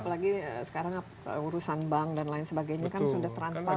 apalagi sekarang urusan bank dan lain sebagainya kan sudah transparan